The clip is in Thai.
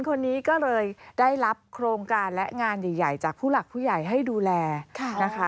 คนนี้ก็เลยได้รับโครงการและงานใหญ่จากผู้หลักผู้ใหญ่ให้ดูแลนะคะ